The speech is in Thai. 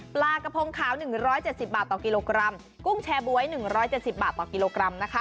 ปลากระพงขาว๑๗๐บาทต่อกิโลกรัมกุ้งแชร์บ๊วย๑๗๐บาทต่อกิโลกรัมนะคะ